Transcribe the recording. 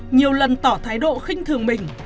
nhiều lần tỏ thái độ khinh thường mình